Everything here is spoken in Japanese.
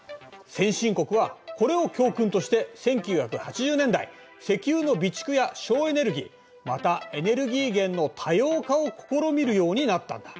先進国はこれを教訓として１９８０年代石油の備蓄や省エネルギーまたエネルギー源の多様化を試みるようになったんだ。